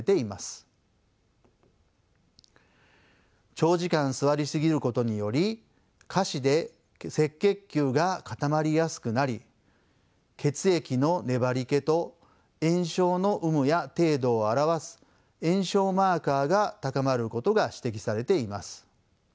長時間座りすぎることにより下肢で赤血球が固まりやすくなり血液の粘りけと炎症の有無や程度を表す炎症マーカーが高まることが指摘されています。